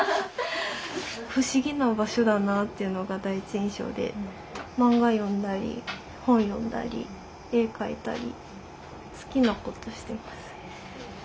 不思議な場所だなっていうのが第一印象で漫画読んだり本読んだり絵描いたり好きなことしてます。